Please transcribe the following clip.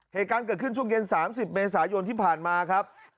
เหตุการณ์เกิดขึ้นช่วงเย็น๓๐เมษายนที่ผ่านมาครับ